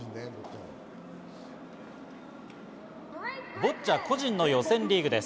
ボッチャ個人の予選リーグです。